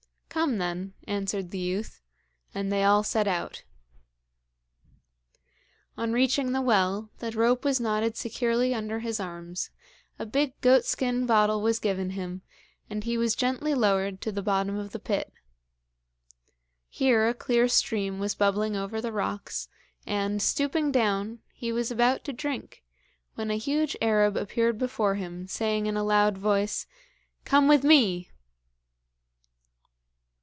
'Come, then,' answered the youth. And they all set out. On reaching the well, the rope was knotted securely under his arms, a big goat skin bottle was given him, and he was gently lowered to the bottom of the pit. Here a clear stream was bubbling over the rocks, and, stooping down, he was about to drink, when a huge Arab appeared before him, saying in a loud voice: 'Come with me!'